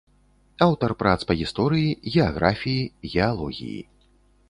Аўтар прац па гісторыі, геаграфіі, геалогіі.